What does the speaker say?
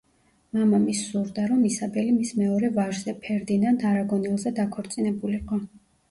მამამისს სურდა, რომ ისაბელი მის მეორე ვაჟზე, ფერდინანდ არაგონელზე დაქორწინებულიყო.